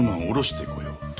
下ろしてこよう。